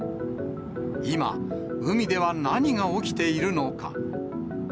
今、海では何が起きているのか。